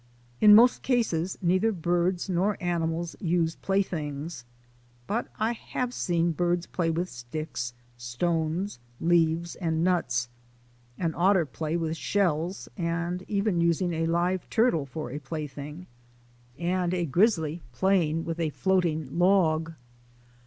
In most cases neither birds nor animals use play things. But I have seen birds play with sticks, stones, leaves, and nuts; an otter play with shells and even using a live turtle for a plaything; and a grizzly playing with a floating log.